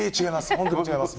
本当に違います。